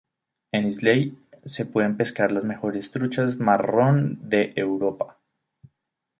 En Islay se pueden pescar las mejores truchas marrón de Europa.